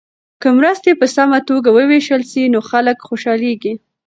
که مرستې په سمه توګه وویشل سي نو خلک خوشحالیږي.